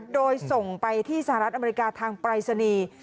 โดยส่งไปที่สหรัฐอเมริกาทางปรายศนีย์